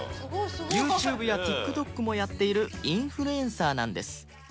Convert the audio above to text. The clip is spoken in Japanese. ＹｏｕＴｕｂｅ や ＴｉｋＴｏｋ もやっているインフルエンサーなんです